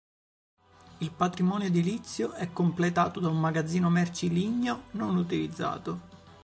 Il patrimonio edilizio è completato da un magazzino merci ligneo, non utilizzato.